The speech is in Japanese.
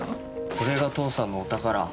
これが父さんのお宝。